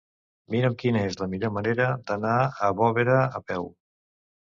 Mira'm quina és la millor manera d'anar a Bovera a peu.